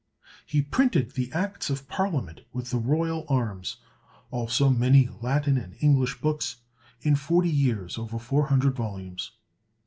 He printed the Acts of Parliament with the Royal Arms, also many Latin and English books; in forty years over four hundred volumes.